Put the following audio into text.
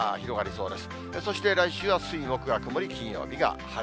そして来週は水、木が曇り、金曜日が晴れ。